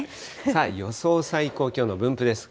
さあ、予想最高気温の分布です。